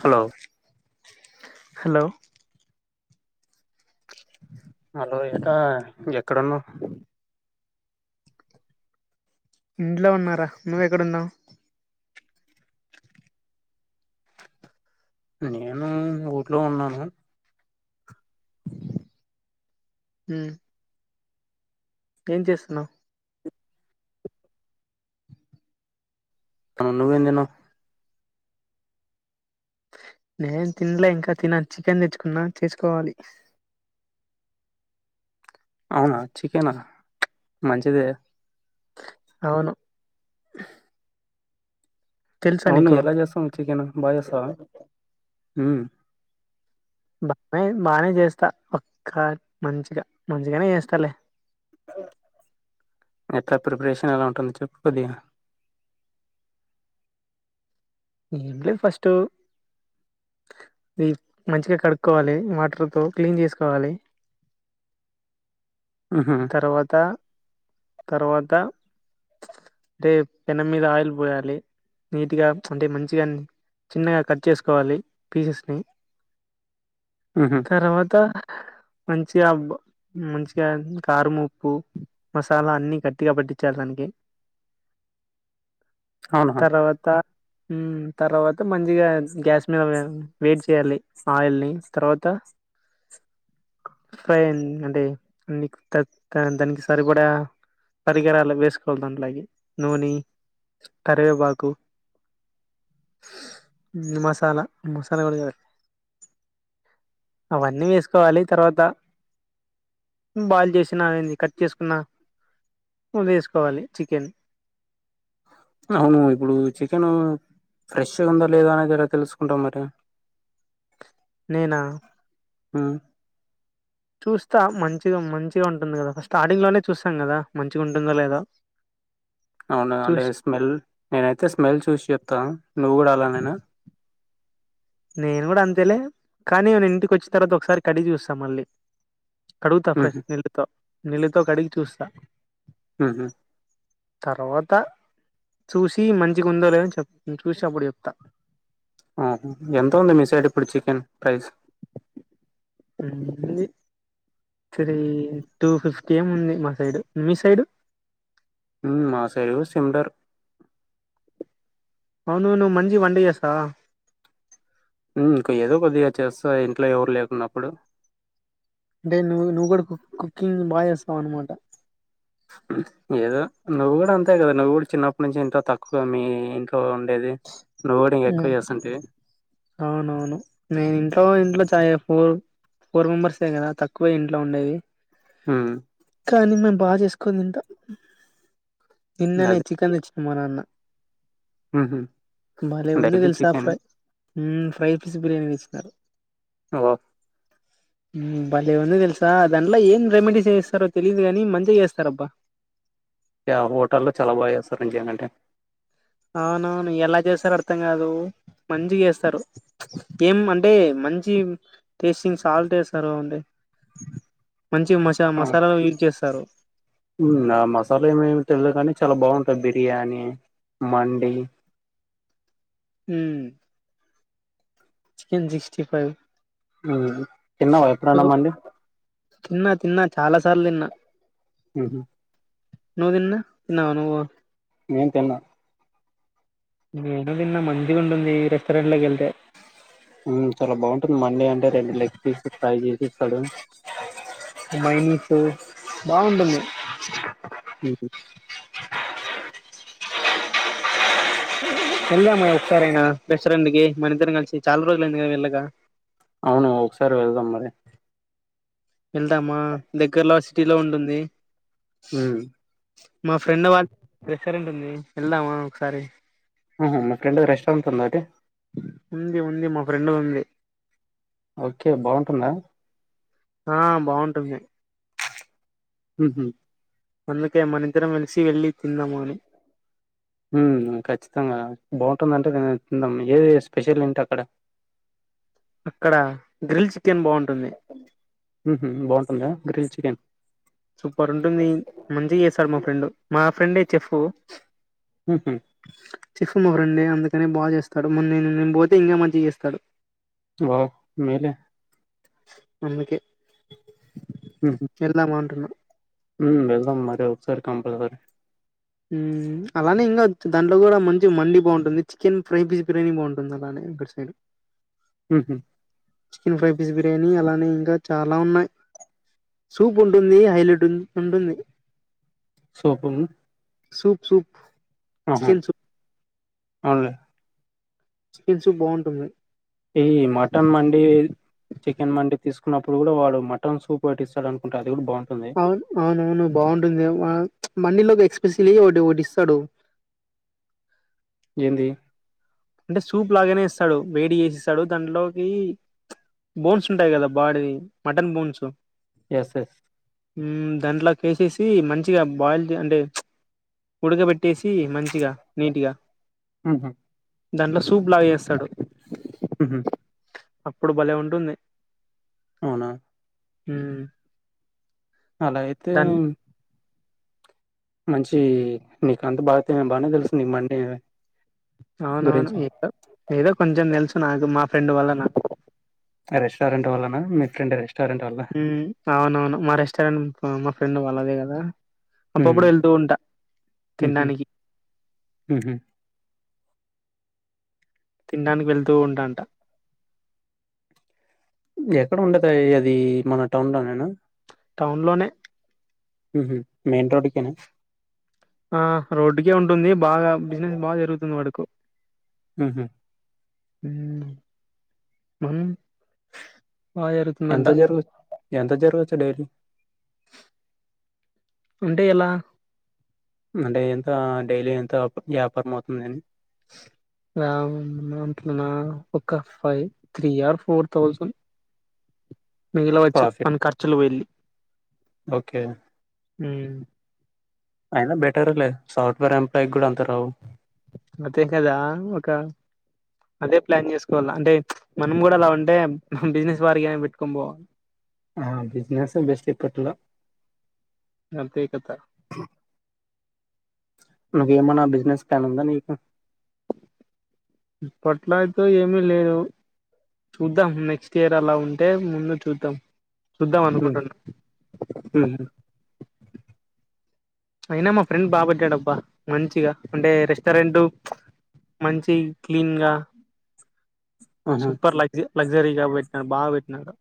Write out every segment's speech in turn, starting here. Hello hello hello ఎక్కడ ఎక్కడున్నావ్ ఇంట్లో ఉన్నారా నువ్వెక్కడున్నావు నేను ఊర్లో ఉన్నాను ఉమ్ ఏం చేస్తున్నావ్ తను నువ్వు ఏం తిన్నావ్ నేను తినలే ఇంకా తినాలి చికెన్ తెచ్చుకున్నా చేసుకోవాలి అవునా చికెనా మంచిదే అవును తెలుసా అవును నీకు ఎలా చేస్తావు చికెన్ బా చేస్తావ హూ బానే బానే చేస్తా ఒక్క మంచిగా మంచిగానే చేస్తాలే ఎట్లా ప్రిపరేషన్ ఎలా ఉంటుంది చెప్పు కొద్దిగా ఎమ్ లే ఫస్ట్ ఇది మంచిగా కడుక్కోవాలి వాటర్తో క్లీన్ చేసుకోవాలి ఉహు తర్వాత తర్వాత రే పెనం మీద ఆయిల్ పోయాలి నీట్గా అంటే మంచిగా చిన్నగా కట్ చేసుకోవాలి పీసెస్ ని ఉహు తరవాత మంచిగా మంచిగా కారం ముప్పు మసాలా అన్ని గట్టిగా పట్టించాలి దానికి అవునా తర్వాత తర్వాత మంచిగా గ్యాస్ మీద వెయిట్ చేయాలి ఆయిల్ ని తర్వాత అంటే దానికి సరిపడా పరికరాలు వేసుకోవాలి దాంట్లాగీ నూనె కరివేపాకు మసాలా మసాలాగా జవే అవన్నీ వేసుకోవాలి తర్వాత బాయిల్ చేసిన అవి కట్ చేసుకున్న ము వేసుకోవాలి చికెన్ అవును ఇప్పుడు చికెన్ ఫ్రెష్గా ఉందా లేదా అనేది ఇలా తెలుసుకుంటాం మరి నేనా ఆ చూస్తా మంచిగా మంచిగా ఉంటుంది కదా స్టార్టింగ్ లోనే చూస్తాం కదా మంచిగా ఉంటుందో లేదో అవున అంటే చూసి స్మెల్ నేనైతే స్మెల్ చూసి చెప్తా నువ్వు కూడా అలా నేనా నేను కూడా అంతేలే కానీ మన ఇంటికి వచ్చిన తర్వాత ఒకసారి కడిగి చూస్తాం మళ్ళీ కడుగుతా ఉహు ఫ్రెష్ నీళ్ళతో నీళ్ళతో కడిగి చూస్తా ఆహా తర్వాత చూసి మంచిగా ఉందో లేదో చూసి అప్పుడు చెప్తా ఎంత ఉంది మీ సైడ్ ఇప్పుడు చికెన్ ప్రైస్ అది త్రీ టూ ఫిఫ్టీ ఏం ఉంది మా సైడు మీ సైడు ఉ మా సైడ్ కూడా సిమిలర్ అవును నువ్వు మంచిగా వంట చేస్తావా హు ఇంకా ఏదో కొద్దిగా చేస్తా ఇంట్లో ఎవరు లేకున్నప్పుడు తే నువ్వు నువ్వు కూడా కు కుకింగ్ బాగా చేస్తావ్ అన్నమాట ఏదో నువ్వు కూడా అంతే కదా నువ్వు కూడా చిన్నప్పుటి నుంచి ఇంకా తక్కువ మీ ఇం ఏది నువ్వు కూడా ఇంకా ఎక్కువ చేస్తుంటే అవునవును నేను ఇంట్లో ఇంట్లో చాయి ఫోర్ ఫోర్ మెంబర్సే కదా తక్కువ ఇంట్లో ఉండేవి హ్మ్. కానీ మే బాగా చేసుకో తింట నిన్ననే అది. చికెన్ తెచ్చిండు మా నాన్న హుహు. భలే ఉంది డైలీ తెలుసా chicken. Fry fry piece biryani తెచ్చినారు మా బాప్ భలే ఉంది తెలుసా దాంట్లో ఏం రెమెడీస్ వేస్తారో తెలీయదుగాని మంచిగా చేస్తారు అబ్బా అంటే హోటల్లో చాలా బాగా చేస్తారు [unintelligible] అవునవును ఎలా చేస్తారు అర్థం కాదు మంచి చేస్తారు ఏం అంటే మంచి టేస్టింగ్ సాల్ట్ వేస్తారు అండి ఆ యూజ్ చేస్తారు హు ఆ మసాలా ఏమేమి తెలియదు కాని చాలా బాగుంటుం బిర్యానీ మండి హు చికెన్ సిక్స్టీ ఫైవ్ లేదు తిన్నావా ఎప్పుడు అన్న ఒక మండి తిన్నా తిన్నా చాలా సార్లు తిన్నా ఆహా నువ్వు తిన్న తిన్నావా నువ్వు నేను తిన్నా నేను తిన్న మంచిగా ఉంటుంది రెస్టారెంట్ లోకి వెళ్తే ఆ చాలా బాగుంటుంది మండి అంటే రెండు లెగ్ పీసులు ఫ్రై చేసిఇస్తాడు మైనీస్ బాగుంటుంది ఉహు వెళ్దామా ఒక్కసారి అయినా రెస్టారెంట్ కి మన ఇద్దరం కలిసి చాలా రోజులు అయింది కదా వెళ్ళాక అవును ఒకసారి వెళ్దాం మరి వెళ్దామా దగ్గరలో సిటీలో ఉంటుంది హ్మ్. మా ఫ్రెండ్ వాళ్ళ రెస్టారెంట్ ఉంది వెళ్దామా ఒకసారి ఆహా మి ఫ్రెడ్ రెస్టారెంట్ ఉందా అయితే ఉంది ఉంది మా ఫ్రెండ్ ఉంది ఓకే బాగుంటుందా ఆ బాగుంటుంది ఉహు అందుకే మనిద్దరం కలిసి వెళ్ళి తిందామని హు ఖచ్చితంగా బాగుంటుంది అంటే ఏది స్పెషల్ ఏంటి అక్కడ అక్కడ గ్రిల్ చికెన్ బాగుంటుంది ఉహు బాగుంటుందా గ్రిల్ చికెన్ సూపర్ ఉంటుంది మంచిగా చేస్తాడు మా ఫ్రెండ్ మా ఫ్రెండే షెఫ్ ఉహు చెఫ్ మా ఫ్రెండే అందుకనే బాగా చేస్తాడు మొ నేను నేను పోతే ఇంకా మంచిగా చేస్తాడు వావ్ మేలే అందుకే వెళ్దాం అంటున్నా హు వెళ్దాం మరి ఒకసారి కంపల్ సరి అలానే ఏం కాదు దాంట్లో కూడా మంచి మండి బాగుంటుంది చికెన్ ఫ్రై పీస్ బిర్యానీ బాగుంటుంది అలానే ఎం కట్ సైడ్ మ్ హు చికెన్ ఫ్రై పీస్ బిర్యానీ అలానే ఇంకా చాలా ఉన్నాయి్ సూప్ ఉంటుంది హైలైట్ ఉం ఉంటుంది సోపు సూప్ సూప్ ఆహా చికెన్ సూప్ అవుంలే చికెన్ సూప్ బాగుంటుంది ఈ మటన్ మండి చికెన్ మండి తీసుకున్నప్పుడు కూడా వాడు మటన్ సూప్ పెట్టిస్తాడు అనుకుంటా అది కూడా బాగుంటుంది అవున్ అవునవును బాగుంటుంది ఏ ఆ మన్నిలో ఎక్స్ప్రెసిలి ఓటి ఓటిస్తాడు ఏంది అంటే సూప్ లాగానే ఇస్తాడు వేడి చేసిస్తాడు దాంట్లోకి బోన్స్ ఉంటాయి కదా బాడీది మటన్ బోన్స్ ఎస్ ఎస్ మ్ దాంట్లకెసేసి మంచిగా బాయిల్ అంటే ఉడకబెట్ ట్టేసి మంచిగా నీట్గా ఉహు దాంట్ల సూప్ లాగేస్తాడు మ్ హు అప్పుడు భలే ఉంటుంది అవునా మ్ అలా అయితే మంచి నీకంత బాగా బానే తెలుసు నీకు మండి అవునవును గురించి ఏదో ఏదో కొంచెం తెలుసు నాకు మా ఫ్రెండ్ వల్ల నా రెస్టారెంట్ వల్లనా మీ ఫ్రెండ్స్ మ్ అవునవును మా రెస్టారెంట్ మా ఫ్రెండ్ వాళ్ళదే కదా ఉమ్ అప్పుడప్పుడు వెళ్తూ ఉంటా ఉహు తిండానికి ఉహు తినడానికి వెళ్తూ ఉంటాంట ఎక్కడ ఉండది అది మన టౌన్ లోనేన టౌన్లోనే మ్ హు మెయిన్ రోడ్కినా ఆ రోడ్డుకే ఉంటుంది బాగా బిజినెస్ బాగా జరుగుతుంది వాడుకు మ్ హు మ ఎంత జరుగ్ ఎంత జరుగోచ్చు డైలీ అంటే ఎలా అంటే ఎంత డైలీ ఎంత వ్యాపారం అవుతుందని దన్ దంట్లోన్న ఒక five three or four thousand మిగిలివచ్చ ప్రాఫిట్ మన ఖర్చులు వెళ్ళి ఓకే మ్ అయినా బెటరే లే సాఫ్ట్వేర్ ఎంప్లాయ్ కూడా అంత రావు అదే కదా ఒక అదే ప్లాన్ చేసుకోవాల అంటే మనం కూడా అలా ఉంటే బిజినెస్ వారికి గా ఏమన పెట్టుకొని పోవ్ ఆ బిజినెసే బెస్ట్ ఇప్పుట్లో అందే కథా నాకేమన్నా బిజినెస్ ప్లాన్ ఉందా నీకు ఇప్పట్లో అయితే ఏమి లేదు చూద్దాం నెక్స్ట్ ఇయర్ అలా ఉంటే ముందు చూద్దాం చుద్దాం ఉహు అనుకుంటున్నా ఉహు అయినా మా ఫ్రెండ్ బాబడ్డాడబ్బా మంచిగా అంటే రెస్టారెంట్ మంచి క్లీన్ గా ఆహా సుప్పర్ లగ్జ లగ్జరీగా పెట్టినా బాగా పెట్టినారు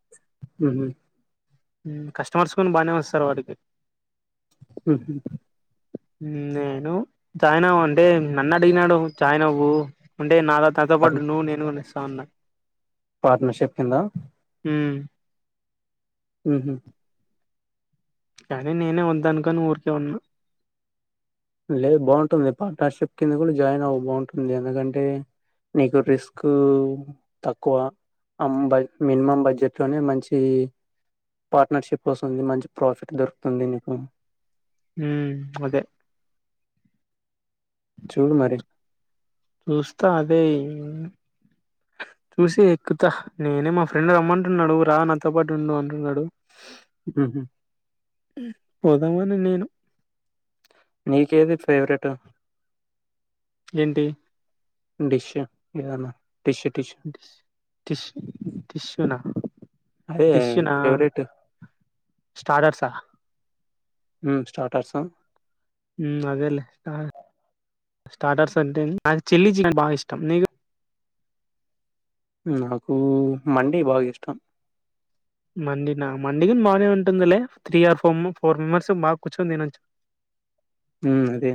ఉహు కస్టమర్స్ కూడా బాగానే వస్తారు వాడికి ఉహు నేను చాయినావ్ అంటే నన్ను అడిగినాడు చాయినవ్వు అంటే నాద నాతో పాటు నువ్వు నేను ఒనిస్తా అన్న పార్ట్నర్షిప్ కింద ఉ ఉహు కానీ నేనే వద్దనుకుని ఊరికే ఉన్నా లేదు బాగుంటుంది పార్ట్నర్షిప్ కింద కూడా జాయిన్ అవ్వు బాగుంటుంది ఎందుకంటే నీకు రిస్కూ తక్కువ అంబై మినిమం బడ్జెట్ లోనే మంచీ పార్ట్నర్షిప్ వస్తుంది మంచి ప్రాఫిట్ దొరుకుతుంది నీకు ఊ అదే చూడు మరి చూస్తా అదే చూసి ఎక్కుత నేనే మా ఫ్రెండ్ రమ్మంటున్నాడు రా నాతో పాటు ఉండు అంటున్నాడు మ్మ్. పోదామని నేను నీకేది ఫేవరెట్ ఏంటి డిష్ ఏదన్నా డిష్ డిష్ డిష్షునా అదే ఫేవరెట్ స్టార్టర్సా ఉ స్టార్టర్సు ఉం అదేలే స్టార్టర్స్ అంటే నాకు చిల్లీ చికెన్ బాగా ఇష్టం నీకు నాకు మండీ బాగ ఇష్టం మండి నా మండికి బాగానే ఉంటుందిలే త్రీ ఆర్ ఫొమ్ము ఫోర్ మెంబర్స్ బా కూర్చొని దినొచ్చు ఊం అదే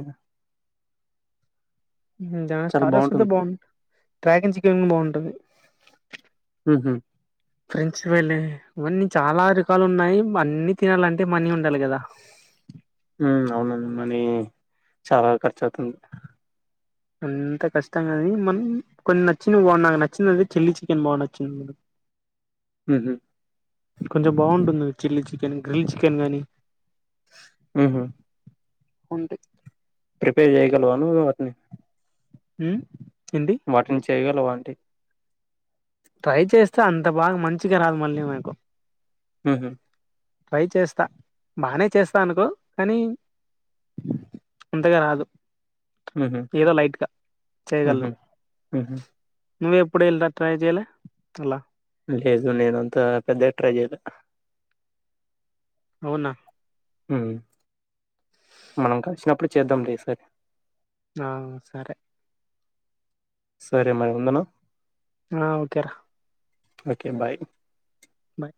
దా చాలా స్టార్టర్స్ అయితే బాగుంటుంది బాగుంటది ట్రాకింగ్ చికెన్ బాగుంటది ఉహు ఫ్రెంచ్ వెళ్ళి ఇవన్నీ చాలా రకాలు ఉన్నాయి అన్ని తినాలంటే మనీ ఉండాలి గదా హుమ్ అవునవును మనీ చాల్ ఖర్చు అవుతుంది అంత కష్టం గాని మన్ కొన్ని నచ్చి [unintelligible] నాకు నచ్చినది చిల్లీ చికెన్ బా నచ్చింది [inaudible] ఉహు కొంచెం బాగుంటుంది చిల్లీ చికెన్ గ్రిల్ చికెన్ గానీ మ్మ్. ఉంటె ప్రిపేర్ జేయగలవ నువ్ వాటిని ఉ వాటిని చేయగలవ అంటి ట్రై చేస్తే అంత బాగ మంచిగా రాదు మళ్ళీ మనకు ఉహు ట్రై చేస్తా బానే చేస్తా అనుకో కానీ అంతగ రాదు హుహు. ఏదో లైట్ గ చేయగలను ఉహు నువ్వ ఎప్పుడ ఇలా ట్రై జేలే అల్ల లేదు నేనంతా పెద్దగ ట్రై చేయలే అవునా మనం కలిసినప్పుడు చేద్దాం లే ఈసారి ఆ సరే సరే మరి ఉండనా ఆ ఓకేర ఓకే బాయ్ బాయ్